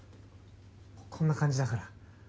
こんな感じだから。